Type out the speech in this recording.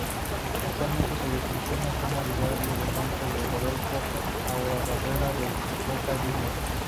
Actualmente se desempeña como ayudante de campo de Rodolfo Arruabarrena en Boca Juniors.